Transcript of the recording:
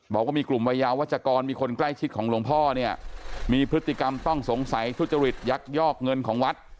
บอกว่ามีกลุ่มวัยยาวัชกรมีคนใกล้ชิดของหลวงพ่อเนี่ยมีพฤติกรรมต้องสงสัยทุจริตยักยอกเงินของวัด